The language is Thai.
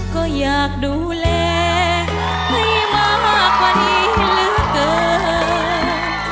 ก็อยากดูแลให้มากกว่านี้เหลือเกิน